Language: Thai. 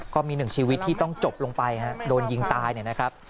ก็มีหนึ่งชีวิตที่ต้องจบลงไปฮะโดนยิงตายเนี่ยนะครับ